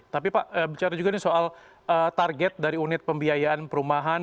tapi pak bicara juga nih soal target dari unit pembiayaan perumahan